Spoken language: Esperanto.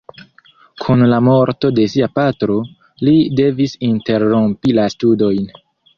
Kun la morto de sia patro, li devis interrompi la studojn.